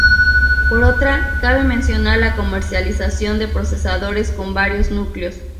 Por otra cabe mencionar la comercialización de procesadores con varios núcleos.